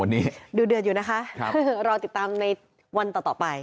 แค่นั้นเอง